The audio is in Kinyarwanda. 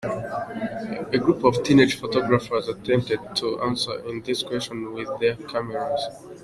A group of teenage photographers attempted to answer this question with their cameras.